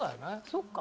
そっか。